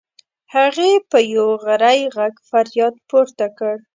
هغې په یو غری غږ فریاد پورته کړ.